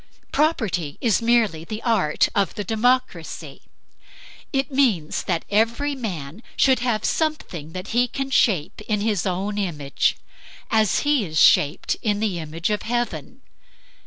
Property is merely the art of the democracy. It means that every man should have something that he can shape in his own image, as he is shaped in the image of heaven.